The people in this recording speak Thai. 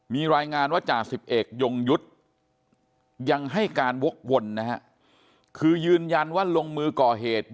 มีรายงานว่าจ่าสิบเอกยงยุทธ์ยังให้การวกวนนะฮะคือยืนยันว่าลงมือก่อเหตุ